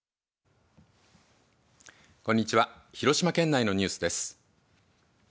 こんにちは、広島県内のニュースです。